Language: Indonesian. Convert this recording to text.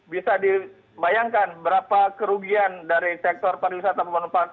bisa dibayangkan berapa kerugian dari sektor pariwisata pemanfaatan